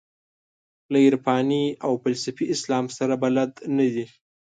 له عرفاني او فلسفي اسلام سره بلد نه دي.